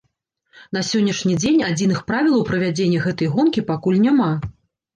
На сённяшні дзень адзіных правілаў правядзення гэтай гонкі пакуль няма.